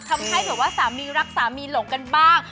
ทำให้แบบว่าสามีรักสามีหลงกันบ้าง